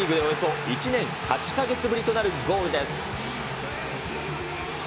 およそ１年８か月ぶりとなるゴールです。